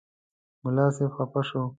ملا صاحب خفه شو.